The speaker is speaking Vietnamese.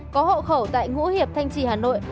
có hộ khẩu tại ngũ hiệp thanh trì hà nội